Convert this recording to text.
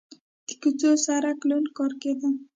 د کوڅې سړک لوند ښکاره کېده.